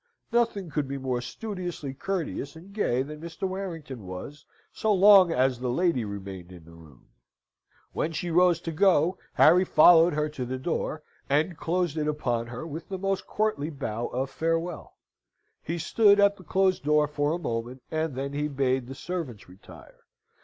Nothing could be more studiously courteous and gay than Mr. Warrington was, so long as the lady remained in the room. When she rose to go, Harry followed her to the door, and closed it upon her with the most courtly bow of farewell. He stood at the closed door for a moment, and then he bade the servants retire.